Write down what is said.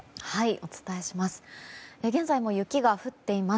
お伝えします。